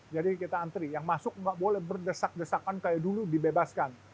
jadi kita antri yang masuk nggak boleh berdesak desakan kayak dulu dibebaskan